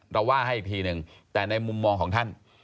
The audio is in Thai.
ว่าให้อีกทีหนึ่งแต่ในมุมมองของท่าน